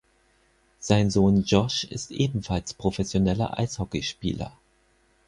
Sein Sohn Josh ist ebenfalls professioneller Eishockeyspieler.